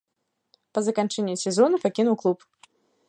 Па заканчэнні сезону пакінуў клуб.